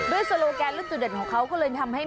ด้วยโซโลแกนริตจุเด่นของเขาก็เลยทำให้